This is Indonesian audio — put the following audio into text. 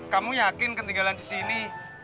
kamu yakin ketinggalan di sini